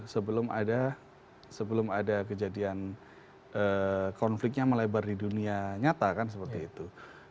sebelum ada kejadian konfliknya melebar di dunia nyata kan seperti itu